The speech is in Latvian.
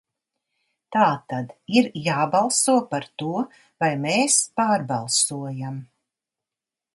Tātad ir jābalso par to, vai mēs pārbalsojam.